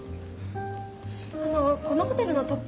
あのこのホテルのトップ